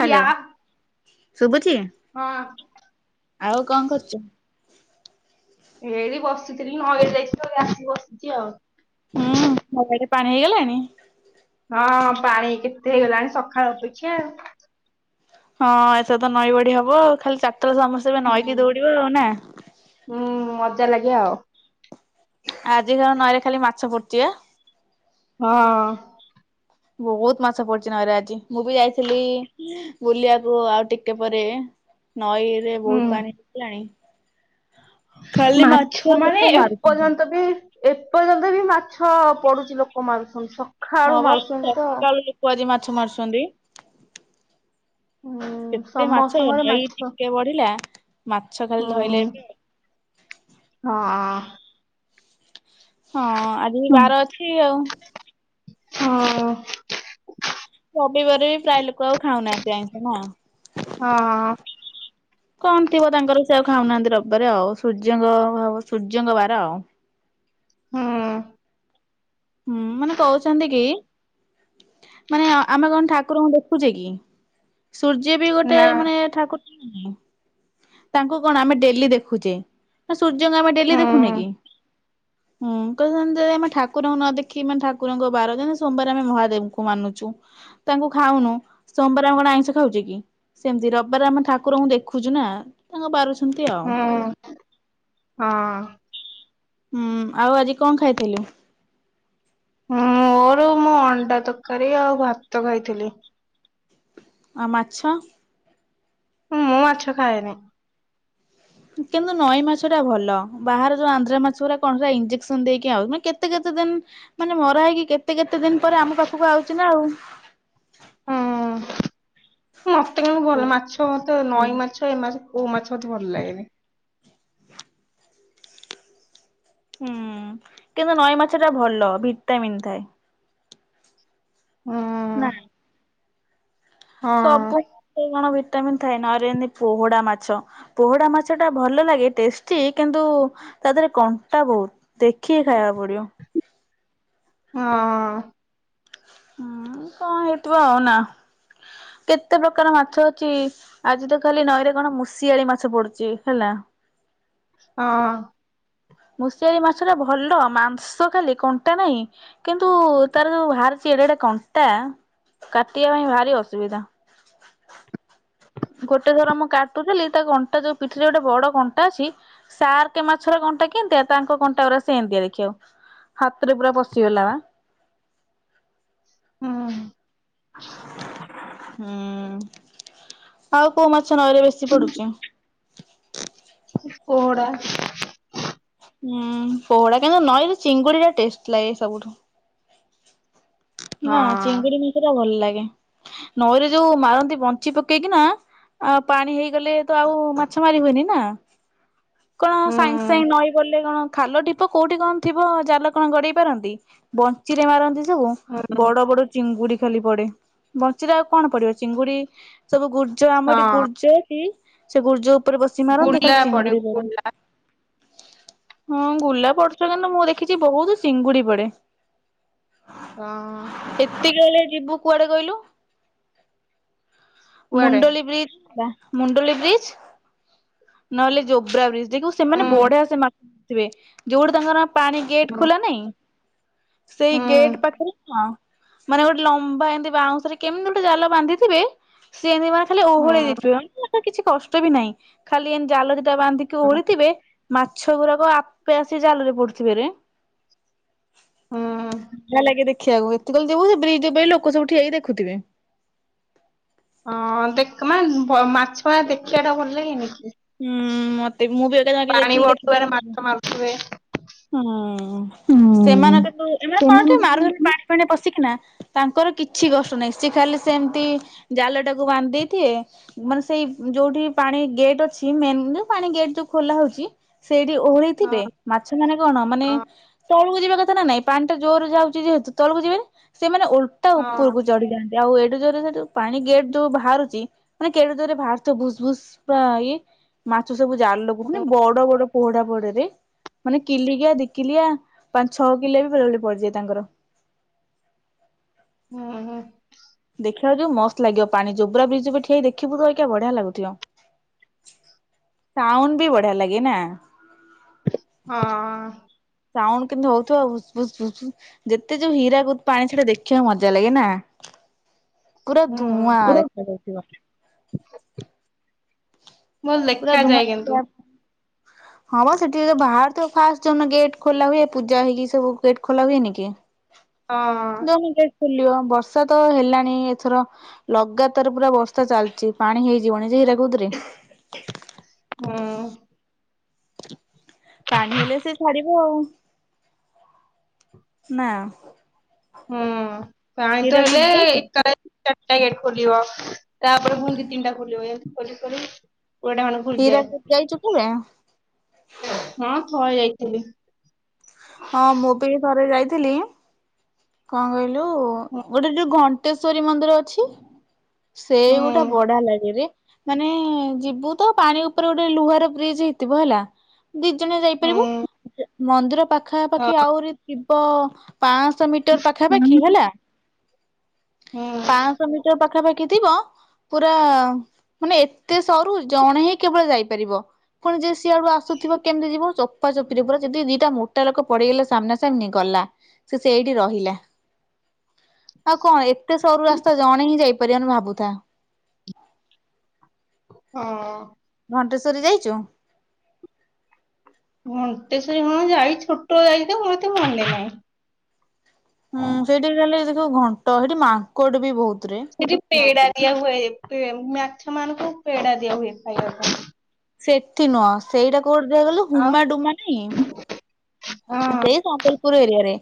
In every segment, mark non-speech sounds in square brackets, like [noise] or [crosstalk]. Hello ଶୁଭୁଛି। ହଁ। ଆଉ କଁ କରୁଚୁ। ଏଇ ବସିଥିଲି ନଈକି ଯାଇ ଥିଲି ତ ଏବେ ଆସିକି ବସିଛି ଆଉ। ହୁଁ ନାଇ ରେ ଏବେ ପାଣି ହେଇଗଲାଣି। ହଁ ପାଣି କେତେ ହେଇଗଲାଣି ସକାଳ ଅପେକ୍ଷା ଆଉ। ହଁ ଏଥର ସ ତ ନଈ ବଢି ହବ ଖାଲି ଚାରିଟା ରେ ସମସ୍ତେ ନଈକି ଦୌଡିବ ଆଉ ନା। ହୁଁ ମଜା ଲାଗେ ଆଉ। ଆଜି ଯାଣ ନଈରେ ଖାଲି ମାଛ ପଡୁଛି ବା। ହଁ। ବହୁତ ମାଛ ପଡିଛି ନଇରେ ଆଜି ମୁଁ ବି ଯାଇଥିଲି। ବୁଲିବାକୁ ଆଉ ଟିକେ ପରେ ନଈ ରେ ବହୁତ ପାଣି ହେଲାଣି। ମାଛ ମାନେ ମାରୁଛନ୍ତି। ଏପର୍ଯ୍ୟନ୍ତ ବି। ଏପର୍ଯ୍ୟନ୍ତ ବି ମାଛ ପଡୁଛି ଲୋକ ମାରୁଛନ୍ତି ସକାଳୁ ମାରୁୁଛନ୍ତି ତ। ପରି ମାଛ ମାରୁଛନ୍ତି। କେତେ ମାଛ ଏ ନଈ ଟିକେ ବଢିଲା। ମାଛ ଖାଲି ଧଇଲେ ଏବେ। ହୁଁ- ହଁ। ହଁ ଆଜିବି ବାର ଅଛି ଆଉ। ହଁ। ରବିବାରେ ବି ପ୍ରାୟ ଲୋକ ଆଉ ଖାଉନାହାନ୍ତି ଆଇଁଷ ନା। କଣ ଥିବ ତାଙ୍କର ସେ ଆଉ ଖାଉନାହାନ୍ତି ରବିବାରେ ଆଉ ସୂର୍ଯ୍ୟଙ୍କ- ସୂର୍ଯ୍ୟଙ୍କ ବାର ଆଉ। ହୁଁ ମାନେ କହୁଛନ୍ତି କି? ମାନେ ଆମେ କଣ ଠାକୁରଙ୍କୁ ଦେଖୁଛେ କି ସୂର୍ଯ୍ୟ ବି ଗୋଟେ ମାନେ ଠାକୁ ତାଙ୍କୁ କଣ ଆମେ ଡେଲି ଦେଖୁଛେ। ସୂର୍ଯ୍ୟଙ୍କୁ ଆମେ ଡେଲି ଦେଖୁନେ କି ହୁଁ ତ ସେମିତି ଆମେ ଠାକୁ କୁର ନ ଦେଖି ମାନେ ଠାକୁରଙ୍କ ବାର ଯେମିତୀ ସୋମବାର ଆମେ ମହାଦେବଙ୍କୁ ମାନୁଛୁ। ତାଙ୍କୁ ଖାଉନୁ ସୋମବାର ଆମେ କଣ ଆଇଁଷ ଖାଉଛେ କି। ସେମିତି ରବିବାର ଆମ ଠାକୁରଙ୍କୁ ଦେଖୁଛୁ ନା ତାଙ୍କ ବାରୁସନ୍ତି ଆଉ। ହଁ। ହୁଁ ଆଉ ଆଜି କଣ ଖାଇଥିଲୁ? ମୋର ମୁଁ ଅଣ୍ଡା ତରକାରୀ ଆଉ ଭାତ ଖାଇଥିଲି। ଆଉ ମାଛ। ମୁଁ ମାଛ ଖାଏନି। କିନ୍ତୁ ନଈ ମାଛ ଟା ଭଲ ବାହାର ଯୋଉ ଆନ୍ଧ୍ରା ମାଛ ଗୁରା କଣରା ଇ୍ଜେକ୍ସନ ଦେଇକି ଆଉ ମାନେ କେ ତେ କେତେ ଦିନ ମାନେ ମରା ହେଇକି କେତେ କେତେ ଦିନ ପରେ ଆମ ପାଖକୁ ଆଉଛି ନା ଆଉ। ମତେ କାଇଁ ମ ଭଲ ହୁଁ ମାଛ ମତେ ନଈ ମାଛ ଏ ମାଛ କୋଉ ମାଛ ମତେ ଭଲଲାଗେନି। ହୁଁ, କିନ୍ତୁ ନଈ ମାଛ ଟା ଭଲ ଭିଟାମିନ୍ ଥାଏ। ନା। ସବୁଥିରେ କଣ ଭିଟାମିନ ଥାଏ ନଇରେ ଯେମତି ପୋହଡ଼ା ମାଛ। ପୋହଡା ମାଛ ଟା ଭଲ ଲାଗେ ଟେଷ୍ଟି କିନ୍ତୁ। ତା ଧେରେ କଣ୍ଟା ବହୁତ ଦେଖିକି ଖାଇବାକୁ ପଡିବ। ହଁ। ହଁ କଣ ହେଇଥିବ ଆଉ ନା କେତେ ପ୍ରକାର ମାଛ ଅଛି। ଆଜି ତ ଖାଲି ନଈରେ କଣ ମୂଷିଆଳି ମାଛ ପଡିଚି ହେଲା। ହଁ। ମୂଷିଆଳି ମାଛ ଟା ଭଲ ମାଂସ ଖାଲି କଣ୍ଟା ନାହିଁ। କିନ୍ତୁ ତାର ଯୋଉ ବାହାରିଛି ଏଡେ ଏଡେ କଣ୍ଟା କାଟିବା ପାଇଁ ଭାରି ଅସୁବିଧା। ଗୋଟେ ଥର ମୁଁ କାଟୁଥିଲି, ତା କଣ୍ଟା ଯୋଉ ପିଠିରେ ଗୋଟେ ବଡ କଣ୍ଟା ଅଛି। ଶାର୍କ ମାଛର କଣ୍ଟା କେମିତିଆ ତାଙ୍କ କଣ୍ଟା ଗୁରା ସେମିତିଆ ଦେଖିବାକୁ। ହାତରେ ପୁରା ପଶିଗଲା ବା। ହୁଁ। ହୁଁ ଆଉ କୋଉ ମାଛ ନଈରେ ବେଶୀ ପଡୁଚି। ପୋହଡ଼ା। ହୁଁ ପୋହଡା କିନ୍ତୁ ନଈରେ ଚିଙ୍ଗୁଡ଼ି ଟା ଟେଷ୍ଟ ଲାଗେ ସବୁଠୁ। ନା ଚିଙ୍ଗୁଡି ମାଛଟା ଭଲ ଲାଗେ ନଈରେ ଯୋଉ ମାରନ୍ତି ବଞ୍ଚି ପକେଇକି ନା। ଆ ପାଣି ହେଇଗଲେ ତ ଆଉ ମାଛ ମାରି ହୁଏନି ନା। କଣ ସାଙ୍ଗେ ସାଙ୍ଗେ ନଈ ବଢ଼ିଲେ କଣ। ଖାଲ ଢିପ କୋଉଠି କଣ ଥିବ ଜାଲ କଣ ଗଡ଼େଇ ପାରନ୍ତି ବଞ୍ଚିରେ ମାରନ୍ତି ସବୁ। ବଡ ବଡ ଚିଙ୍ଗୁଡି ଖାଲି ପଡେ ବଞ୍ଚିିରେ ଆଉ କଣ ପଡିବ ଚିଙ୍ଗୁଡି ସବୁ ଗୁ ଯୋଉ ଆମର ଠି ଗୁର୍ଜ ଅଛି ସେ ଗୁର୍ଜ ଉପରେ ବସି ମାରନ୍ତି ଖାଲି ଚିଙ୍ଗୁଡି ପଡେ। ହଁ ଗୁଲା ପଡୁଛି କିନ୍ତୁ ମୁଁ ଦେଖିଛି ବହୁତ ଚିଙ୍ଗୁଡି ପଡେ। ହଁ। ଏତିକି ବେଳେ ଯିବୁ କୁଆଡେ କହିଲୁ? ମୁଣ୍ଡଳି ବ୍ରିଜ୍ ଯିବା ମୁଣ୍ଡଳି ବ୍ରିଜ୍ ନହେଲେ ଜୋବ୍ରା ବ୍ରିଜ୍ ଦେଖିବୁ ସେମାନେ ବଢିଆ ସେ ମା ମାରିଥିବେ ଯୋଉଠି ତାଙ୍କର ପାଣି ଗେଟ୍ ଖୋଲା ନାହିଁ ସେଇ ଗେଟ୍ ପାଖରେ ନୁହଁ ମାନେ ଗୋଟେ ଲମ୍ବା ଏମିତି ବାଉଁଶରେ କେମିତି ଗୋଟେ ଜାଲ ବାନ୍ଧିଥିବେ ସେ ଏମିତି ମା ଖାଲି ଓହଳେଇ ଦେଇଥିବେ ଉଁ ଏତେ କିଛି କଷ୍ଟ ବି ନାହିଁ ଖାଲି ଏମିତି ଜାଲ ଦିଟା ବାନ୍ଧିକି ଓହଳେଇଥିବେ ମାଛ ଗୁଡାକ ଆପେ ଆସି ଜାଲରେ ପଡୁଥିବେରେ। ବଢିଆ ଲାଗେ ଦେଖିବାକୁ ଏତିକିବେଳେ ଯିବୁ ସେ ବ୍ରିଜ୍ ଉପରେ ଲୋକସବୁ ଠିଆହେଇ ଦେଖୁଥିବେ। ହଁ ଦେଖ ମାନେ ଭ ମାଛଗୁରା ଦେଖିବା ଟା ଭଲ ଲାଗେଇନି କି? ହୁଁ ମତେ ବି ମୁଁ ବି ଏ ପାଣି ଭଟୁଆରେ ମାଛ ମାରୁଥିବେ। ହୁଁ ସେମାନେ କିନ୍ତୁ ଏମାନେ କଣ ଟିକେ ମାରୁଛନ୍ତି ପାଣି ଫାଣିରେ ପଶିକିନା ତାଙ୍କର କିଛି କଷ୍ଟ ନାହିଁ ସେ ଖାଲି ସେମିତି ଜାଲ ଟାକୁ ବାନ୍ଧି ଦେଇଥିବେ ମାନେ ସେଇ ଯୋଉଠି ପାଣି ଗେଟ୍ ଅଛି ମେନ୍ ଯୋଉ ପାଣି ଗେଟ୍ ଯୋଉ ଖୋଲା ହଉଛି ସେଇଠି ଓହଳିଥିବେ ମାଛ ମାନେ କଣ ମାନେ ତଳୁକୁ ଯିବା କଥା ନାଁ ନାଇଁ ପାଣି ଟା ଜୋରରେ ଯାଉଛି ଯେହେତୁ ତଳୁକୁ ଯିବେନି ସେମାନେ ଓ ଲଟା ଉପରକୁ ଚଢି ଯାଆନ୍ତି ଆଉ ଏଡେ ଜୋର୍ ରେ ସେ ଯୋଉ ପାଣି ଗେଟ୍ ଯୋଉ ବାହାରୁଛି ମାନେ କେଡେ ଜୋରରେ ବାହାରୁଥିବ ଭୁସ୍ ଭୁସ୍ ପୂରା ହେଇ ମାଛ ସବୁ ଜାଲକୁ ମାନେ ବଡ ବଡ ପୋହଡା ପଡେ ରେ। ମାନେ କିଲିକିଆ ଦିି କିଲିଆ ପାଞ୍ଚ ଛଅ କିଲିଆ ବି ବେଳେବେଳେ ପଡିଯାଏ ତାଙ୍କର। ହୁଁ ହୁଁ। ଦେଖିବାକୁ ଯିବୁ ମସ୍ତ ଲାଗିବ ପାଣି ଜୋବ୍ରା ବ୍ରିଜ୍ ଉପରେ ଠିଆହେଇ ଦେଖିବୁ ଅଇକା ବଢିଆ ଲାଗୁଥିବ। ସାଉଣ୍ଡ୍ ବି ବଢିଆ ଲାଗେ ନାଁ? ହଁ। ସାଉଣ୍ଡ୍ କେମିତି ହଉଥିବ ଭୁସ୍ ଭୁସ୍ ଭୁସ୍। ଯେତେ ଯୋଉ ହୀରାକୁଦ ପାଣି ଛାଡେ ଦେଖିବାକୁ ମଜା ଲାଗେ ନାଁ ପୁରା ଧୂଆଁ ଦେଖାଯାଉଥିବ। ଭଲ ଦେଖା ଯାଏ କିନ୍ତୁ। ହଁ। ହଁ ବା ସେଠି ଏଇ ଯୋଉ ବାହାରୁଥିବ ଫାଷ୍ଟ୍ ଯୋଉ ଦିନ ଗେଟ୍ ଖୋଲା ହୁଏ ପୂଜା ହେଇକି ସବୁ ଗେଟ୍ ଖୋଲା ହୁଏନି କି? କେଜାଣି ଗେଟ୍ ଖୋଲିବ ବର୍ଷା ତ ହେଲାଣି ଏଥର ଲଗାତାର ପୁରା ବର୍ଷା ଚାଲିଛି ପାଣି ହେଇଯିବଣି ଯେ ହୀରାକୁଦରେ। ହୁଁ। ପାଣି ହେଲେ ସେ ଛାଡିବ ଆଉ। ନାଁ? ହୁଁ ପାଣି ତ ହେଲେ ହୀରାକୁଦ ଯାଇଛ? ଏକାଥରେ ଚାରିଟା ଗେଟ୍ ଖୋଲିବ। ତାପରେ ପୁଣି ଦି ତିନିଟା ଖୋଲିବେ ଖୋଲି ସାରି [inaudible] ହୀରାକୁଦ ଯାଇଛୁ କେବେ? ହଁ ଥରେ ଯାଇଥିଲି। ହଁ ମୁଁ ବି ଥରେ ଯାଇଥିଲି କଣ କହିଲୁ ଗୋଟେ ଯୋଉ ଘ ଣ୍ଟେଶ୍ୱରୀ ମନ୍ଦିର ଅଛି ସେଇଗୋଟା ବଢିଆ ଲାଗେରେ। ମାନେ ଯିବୁ ତ ପାଣି ଉପରେ ଗୋଟେ ଲୁହାର ବ୍ରିଜ୍ ହେଇଥିବ ହେଲା ଦି ଜଣ ଯାଇପାରିବୁ ମନ୍ଦିର ପାଖାପାଖି ଆହୁରି ଥିବ ପାଁଶ ମିଟର ପାଖାପାଖି ହେଲା ହୁଁ। ପାଁଶ ମିଟର ପାଖାପାଖି ଥିବ ପୁରା ମାନେ ଏତେ ସରୁ ଜଣେ ହିଁ କେବଳ ଯାଇପାରିବ। ପୁଣି ଯିଏ ସିଆଡୁ ଆସୁଥିବ କେମତି ଯିବ ଚାପା ଚପିରେ ପୁରା ଯଦି ଦିଟା ମୋ ଟା ଲୋକ ପଡିଗଲା ସାମ୍ନା ସାମ୍ନି ଗଲା ସିଏ ସେଇଠି ରହିଲା। ଆଉ କଁ ଏତେ ସରୁ ରାସ୍ତା ଜଣେ ହିଁ ଯାଇପାରିବନି ଭାବୁଥା। ହଁ। ଘଣ୍ଟେଶ୍ୱରୀ ଯାଇଚୁ। ଘଣ୍ଟେଶ୍ଵରୀ ହଁ ଯାଇ ଛୋଟବେଳେ ଯାଇଚି ତ ମୋ ଏତେ ମନେ ନାଇଁ। ହୁଁ ସେଇଠି ଖାଲି ସେ ଯୋଉ ଘଣ୍ଟ ସେଇଠି ମାଙ୍କଡ ବି ବୋହୁତରେ। ସେଠି ପେଡା ଦିଆ ହୁଏ ପେ ମାଛମାନୁଙ୍କୁ ପେଡା ଦିଆ ହୁଏ ଖାଇଆ ପାଇଁ। ସେଠି ନୁଅଁ ସେଇଟା କୋଉଠି ଦିଆ ହୁଏ କହିଲୁ ହୁମାଡୁମା ନାଇଁ ଆ ସେଇ ସମ୍ବଲପୁର ଏରିଆରେ।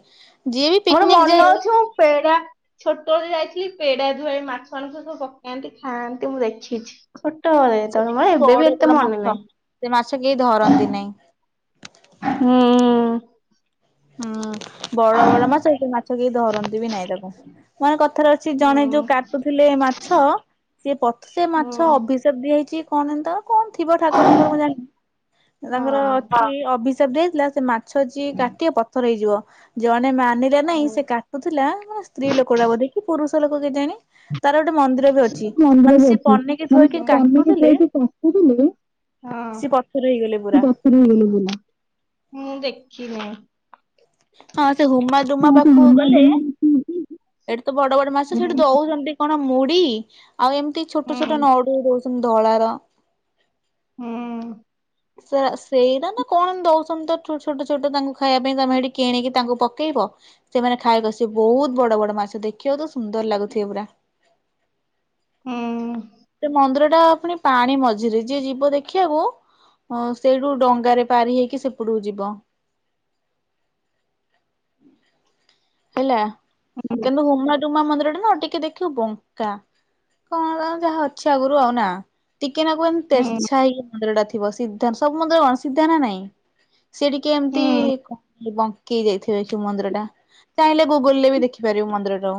ଯିଏ ବି ମୋର ପିକନିକ ମନ ଯାଏ ଅଛି ମଁ ପେଡା ଛୋଟବେଳେ ଯାଇଥିଲି ପେଡା ଧୁଏ ମାଛମାନୁଙ୍କୁ ସବୁ ସବୁ ପକାନ୍ତି ଖାଆନ୍ତି ମୁଁ ଦେଖିଛି। ଛୋଟବେଳେ ସେଠି ଯେତବେଳେ ମୋର ଏବେ ବି ବଡ ଏତେ ବଡ ମନେ ମାଛ ସେ ମାଛ କେହି ଧରନ୍ତି ନାଇଁ। ନାହିଁ। ହୁଁ। ହୁଁ ବଡ ବଡ ମାଛ ହେଇଟୁ ମାଛ କେହି ଧରନ୍ତି ବି ନାହିଁ ତାକୁ। ମାନେ କଥାରେ ଅଛି ଜଣେ ଯୋଉ କାଟୁଥିଲେ ମାଛ ସିଏ ପଥ୍ ସେ ମାଛ ଅଭିଶାପ ଦିଆ ହେଇଚି କି କଣ ତ କଣ ଥିବ ଠାକୁରଙ୍କର ମୁଁ ଜାଣିନି ତାଙ୍କର ଅଛି ଅଭିଶାପ ଦେଇଥିଲା ସେ ମା ଛ ଯିଏ କାଟିବ ପଥର ହେଇଯିବ ଜଣେ ମାନିରା ନାହିଁ ସିଏ କା ଟୁଥିଲା ମାନେ ସ୍ତ୍ରୀ ଲୋକଟା ବୋଧେ କି ପୁରୁଷ ଲୋକ କେଜାଣି ତାର ଗୋଟେ ମନ୍ଦିର ବି ଅଛି ମନ୍ଦିର ମାନେ ବି ସିଏ ଅଛି ପନିକି ମାନେ ସେ ଥୋଇକି କନିକି କାଟୁଥିଲେ ପୁଅକି କାଟିଦେଲେ ସିଏ ପଥର ହେଇଗଲେ ପୁରା। ସିଏ ପଥର ହେଇଗଲେ ପୁଲା ମୁଁ ଦେଖିନି। ହଁ ସେ ହୁମା ଡୁମା ପାଖୁକୁ ଗଲେ ଏଠି ତ ବଡ ବଡ ମାଛ ବୁଲା ସେଠି ଦଉଛନ୍ତି କଣ ମୁଡି ଆଉ ଏମତି ଛୋଟ ଛୋଟ ନ ଡୁ ଦଉଛନ୍ତି ଧଳାର। ହୁଁ। ସେରା ସେଇରା ନା କଣ ଇନ୍ତି ଦଉଛନ୍ତି ତ [unintelligible] ଛୋଟ ଛୋଟ ତାଙ୍କୁ ଖାଇବା ପାଇଁ ତମେ ସେଇଠି କିଣିକି ତାଙ୍କୁ ପକେଇବ। ସେମାନେ ଖାଇଆକୁ ଆସିବେ ବୋହୁତ ବଡ ବଡ ମାଛ ଦେଖିବ ତ ସୁନ୍ଦର ଲାଗୁଥିବେ ପୁରା। ସେ ମନ୍ଦିରଟା ଫୁଣି ପାଣି ମଝିରେ ଯିଏ ଯିବ ଦେଖିଆକୁ ହଁ ସେଇଠୁ ଡଙ୍ଗାରେ ପାରି ହେଇକି ସେପୁଟୁକୁ ଯିବ। ହେଲା କିନ୍ତୁ ହୁମାଡୁମା ମନ୍ଦିରଟା ନା ଟିକେ ଦେ ଖିବୁ ବଙ୍କା କଣ ଯାହା ଅଛି ଆଗୁରୁ ଆଉ ନା। ଟିକେ ନାକୁ ଏନ୍ତ୍ ତେର୍ଛା ହେଇକି ମନ୍ଦିରଟା ଥିବ ସିଧା ସବୁ ମନ୍ଦିର କଣ ସିଧା ନା ନାଇଁ। ସିଏ ଟିକେ ଏମତି କଁ କି ବଙ୍କେଇ ଯାଇଥିବେ ଦେଖିବୁ ମନ୍ଦିରଟା। ଚାହିଁଲେ ଗୁଗୁଲରେ ବି ଦେଖିପାରିବୁ ମନ୍ଦିରଟାକୁ।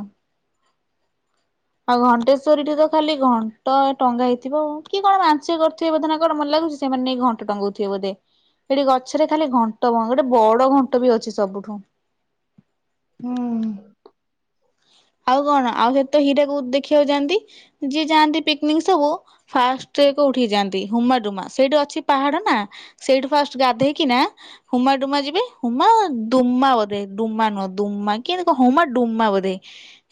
ଆଉ ଘଣ୍ଟେଶ୍ଵରୀ ଠି ତ ଖାଲି ଘଣ୍ଟ ଟଙ୍ଗା ହେଇଥିବ ଆଉ କିଏ କଣ ମାନସିକ କରୁଥିବେ ବୋଧେ ନା କଣ ମତେ ଲାଗୁଚି ସେମାନେ ନେଇକି ଘଣ୍ଟ ଟଙ୍ଗଉଥିବେ ବୋଧେ। ସେଠି ଗଛରେ ଖାଲି ଘଣ୍ଟ ବଣ ଗୋଟେ ବଡ ଘଣ୍ଟ ବି ଅଛି ସବୁଠୁ। ହୁଁ। ଆଉ କଣ ଆଉ ସେତ ହିରାକୁଦ ଦେଖିଆକୁ ଯାଆନ୍ତି ଯିଏ ଯାଆନ୍ତି ପିକନିକ୍ ସବୁ ଫାଷ୍ଟ କୋଉଠିକି ଯାଆନ୍ତି ହୁମାଡୁମା ସେଇଠି ଅଛି ପାହାଡ ନା। ସେଇଠି ଫାଷ୍ଟ ଗାଧେଇକିଣା ହୁମା ଡୁମା ଯିବେ ହୁମା ଦୁମା ବୋଧେ ଡୁମା ନୁହଁ ଦୁମା କିଏ ହୁମା ଡୁମା ବୋଧେ।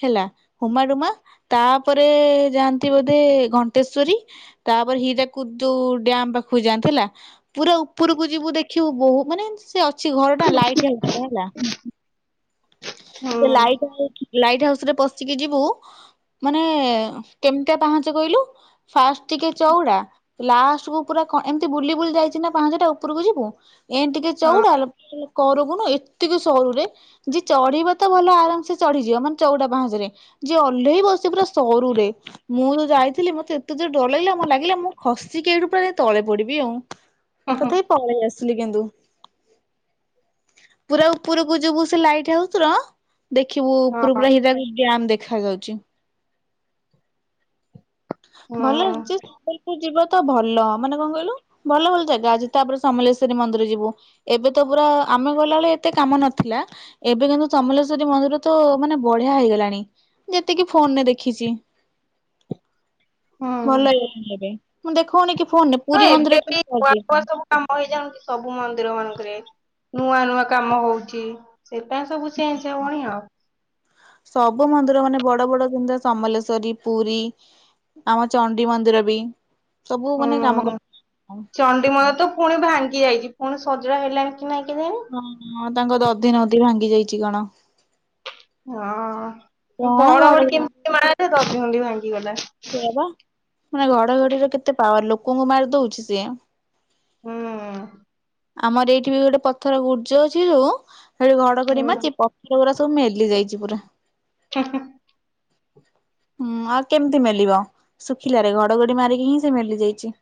ହେଲା ହୁମାଡୁମା ତାପରେ ଯାଆନ୍ତି ବୋଧେ ଘଣ୍ଟେଶ୍ଵରୀ। ତାପରେ ହିରାକୁୁଦୁ ଡ୍ୟମ୍ ପାଖକୁ ଯାଆନ୍ତି ହେଲା। ପୁରା ଉପରକୁ ଯିବୁ ଦେଖିବୁ ବୋହୁ ମାନେ ସେ ଅଛି ଘର ଟା ଲାଇଟ୍ ହାଉସ ହେଲା। ସେ ଲାଇଟ୍ ଇ-ଲାଇଟ ହାଉସ ରେ ପଶିକି ଯିବୁ ମାନେ କେମିତିଆ ପାହଞ୍ଚ କହିଲୁ ଫାଷ୍ଟ ଟିକେ ଚଉଡା ଲାଷ୍ଟକୁୁ ପୁରା କ ଏମିତି ବୁଲି ବୁଲି ଯାଇଚି ନା ପାହାଞ୍ଚଟା ଉପରକୁ ଯିବୁ ଏମିତି ଟିକେ ଚଉଡା ହେଲେ କରୁକୁନା ଏତିକି ସରୁରେ। ଯେ ଚଢିବ ତ ଭଲ ଆରାମ ସେ ଚଢିଯିବ ମାନେ ଚଉଡା ପାହାଞ୍ଚ ରେ। ଯେ ଓଲ୍ଲେଇବ ସେ ପୁରା ସରୁରେ। ମୁଁ ଯୋଉ ଯାଇଥିଲି ମତେ ଏତେ ଜୋର ଡର ଲାଗିଲା ମତେ ଲାଗିଲା ମୁଁ ଖସିକି ଏଇଠୁ ପୁରା ଯେମିତି ତଳେ ପଡିବି ଆଉ। ତଥାପି ପଳେଇ ଆସିଲି କିନ୍ତୁ ପୁରା ଉପରକୁ ଯିବୁ ସେ ଲାଇଟ୍ ହାଉସ ର ଦେଖିବୁ ଉପରୁ ପୁରା ହୀରାକୁଦ ଡ଼୍ୟାମ ଦେଖା ଯାଉଚି। ଭଲ ଆସୁଛି ସମ୍ବଲପୁର ଯିବାକୁ ତ ଭଲ ମାନେ କଣ କହିଲୁ ଭଲ ଭଲ ଜାଗା ଅଛି ତାପରେ ସମଲେଶ୍ୱରୀ ମନ୍ଦିର ଯିବୁ। ଏବେ ତ ପୁରା ଆମେ ଗଲାବେଳେ ଏତେ କାମ ନଥିଲା। ଏବେ କିନ୍ତୁ ସମଲେଶ୍ଵରୀ ମନ୍ଦିର ତ ମାନେ ବଢିଆ ହେଇଗଲାଣି ଯେତିକି ଫୋନରେ ଦେଖିଚି। ଭଲ ହେଇଗଲାଣି ଏବେ ମୁଁ ଦେଖୋଉନି କି ଫୋନରେ। ହଁ ପୁରୀ ମନ୍ଦିର ଏବେବି କେମିତି [inaudible] କରିଦେଇଛି। କାମ ହେଇଯାଉନ୍ତି ସବୁ ମନ୍ଦିର ମାନଙ୍କରେ ନୂଆ ନୂଆ କାମ ହୋଉଚି। ସେପାଇଁ ସବୁ ଚେଞ୍ଚ ହବଣି ଆଉ। ସବୁ ମନ୍ଦିର ମାନେ ବଡ ବଡ ଜେମିତିଆ ସମଲେଶ୍ଵରୀ ପୁରୀ ଆମ ଚଣ୍ଡୀ ମନ୍ଦିର ବି ସବୁ ମାନେ କାମ ଚଣ୍ଡିମନ୍ଦିର ତ ପୁଣି ଭାଙ୍ଗି ଯାଇଚି ପୁଣି ସଜଡ଼ା ହେଲାଣି କି ନାଇଁ କେଜାଣି। ହଁଁ ତାଙ୍କ ଦଧିନୋଉତି ଭାଙ୍ଗି ଯାଇଚି କଣ। ହଁ ଘଡଘଡି କେମିତି ମାରିଲା ଯେ ଦାଧିହାଣ୍ଡି ଭାଙ୍ଗି ଗଲା। ସେଇଆପା ମାନେ ଘଡଘଡିର କେତେ ପାୱାର ଲୋକଙ୍କୁ ମାରି ଦୋଉଚି ସିଏ। ହୁଁ। ଆମର ଏଇଠି ବି ଗୋଟେ ପଥର ଗୁର୍ଜ ଅଛି ଯୋଉ ସେଠି ଘଡଘଡି ମାରିଚି ପ ସେଗୁରା ସବୁ ମେଲି ଯାଇଚି ପୁରା। ହୁଁ ହୁଁ। ହୁଁ ଆଉ କେମିତି ମେଲିବ ଶୁଖିଲାରେ ଘଡଘଡି ମାରିକି ହିଁ ସେ ମେଲି ଯାଇଛି।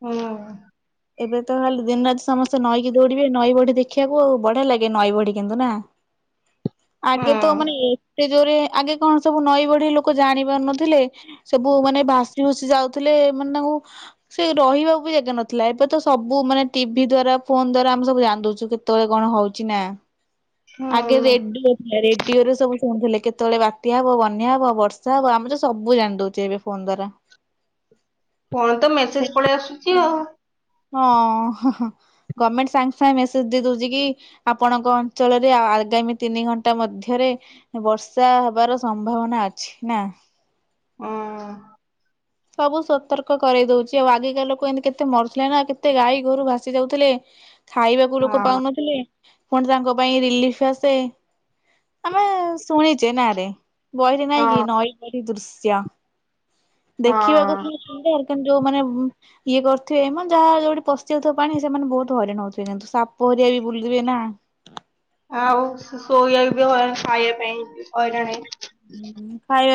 ହୁଁ। ଏବେ ତ ଖାଲି ଦିନ ରାତି ସମସ୍ତେ ନଈକି ଦୌଡିବେ ନଈ ବଢି ଦେଖିବାକୁ ଆଉ ବଢିଆ ଲାଗେ ନଈ ବଢି କିନ୍ତୁ ନା? ଆଗେ ତ ମାନେ ଏ ଏତେ ଯୋରେ ଆଗେ କଣ ସବୁ ନଈ ବଢି ଲୋକ ଜାଣି ପାରୁନଥିଲେ। ସବୁ ମାନେ ଭାସି ଫୁସି ଯାଉଥିଲେ ମାନେ ତାଙ୍କୁ ସେ ରହିବାକୁ ବି ଜାଗା ନଥିଲା ଲାଫିରେ ଏବେ ତ ସବୁ ମାନେ ଟିଭି ଦ୍ଵାରା ଫୋନ ଦ୍ଵାରା ଆ ସବୁ ଜାଣିଦୋଉଚୁ କେତେବେଳେ କଣ ହୋଉଚି ନା। ଆଗେ ରେଡ଼ିଓ ଏ ରେଡିଓରେ ସବୁ ଶୁଣୁଥିଲେ କେତେବେଳେ ବାତ୍ୟା ହବ ବନ୍ୟା ହବ ବର୍ଷା ହବ ଆମ ତ ସବୁ ଜାଣି ଦେଉଛେ ଏବେ। ପନ୍ଦର କଣ ତ ମେସେଜ ସେମାନେ ପଳେଇ ଆସୁଛି ଆଉ। ହଁ ଗଭର୍ଣମେଣ୍ଟ ସାଙ୍ଗେ ସାଙ୍ଗେ ମେସେଜ ଦେଇ ଦୋଉଚି କି ଆପଣଙ୍କ ଅଞ୍ଚଳରେ ଆଗାମୀ ତିନି ଘଣ୍ଟା ମଧ୍ୟରେ ବର୍ଷା ହବାର ସମ୍ଭାବନା ଅଛି ନା। ଅଁ- ସବୁ ସତର୍କ କରେଇ ଦଉଚି ଆଉ ଆଗିକା ଲୋକ ଏମତି କେତେ ମରୁଥିଲେ ନା କେତେ ଗାଈ ଗୋରୁ ଭାସି ଯାଉଥିଲେ ଖାଇବାକୁ ଲୋକ ପାଉନଥିଲେ ପୁଣି ତାଙ୍କ ପାଇଁ ରିଲିଫ୍ ଆସେ। ଆମେ ଶୁଣିଚେ ନାରେ ବହିରେ ନାଇଁ କି ନଈ ବଢି ଦୃଶ୍ୟ। ଦେଖିବାକୁ ସିନା ସୁନ୍ଦର୍ କିନ୍ତୁ ଯଉ ମାନେ ଇଏ କରିଥିବେ ମ ଯାହା ଯଉଠି ପଶିଯାଉଥିବ ପାଣି ସେମାନେ ବହୁତ୍ ହଇରାଣ ହଉଥିବେ କିନ୍ତୁ ସାପ ହେରିଆ ବି ବୁଲିଥିବେ ନା। ଆଉ ଶୋଇବା ବି ହଇ -ଖାଇବା ପାଇଁ ହଇରାଣ୍ ହେଇ ହୁଁ ଖାଇବା